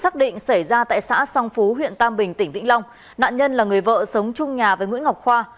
trên tam bình tỉnh vĩnh long nạn nhân là người vợ sống chung nhà với nguyễn ngọc khoa